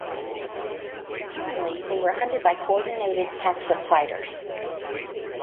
Commonly they were hunted by co-ordinated packs of fighters.